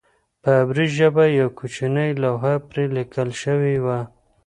په عبري ژبه یوه کوچنۍ لوحه پرې لیکل شوې وه.